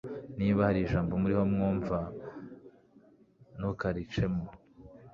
niba hari ijambo muriho mwumva, ntukaricemo